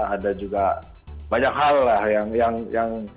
ada juga banyak hal lah yang yang yang